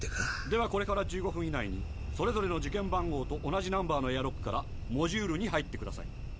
ではこれから１５分以内にそれぞれの受験番号と同じナンバーのエアロックからモジュールに入ってください。